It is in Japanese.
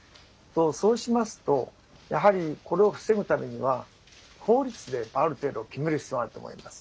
そうしますと、やはりこれを防ぐためには法律で、ある程度決める必要があると思います。